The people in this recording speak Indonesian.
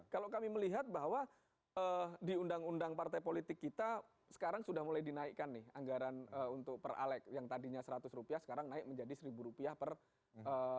kalau kami melihat bahwa di undang undang partai politik kita sekarang sudah mulai dinaikkan nih anggaran untuk per alex yang tadinya seratus rupiah sekarang naik menjadi rp satu per tahun